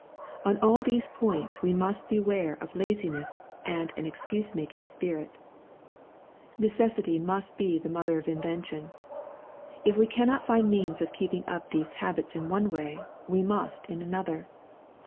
On all these points we must beware of laziness and an excuse making spirit. Necessity muat LUKE, CHAP. V. 148 be the mother of invention. If we cannot find means oi keeping up these habits in one way, we must in another.